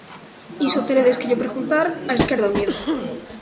Iso teredes que llo preguntar a Esquerda Unida.